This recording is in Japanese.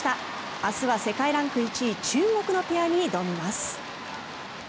明日は世界ランク１位中国のペアに挑みます。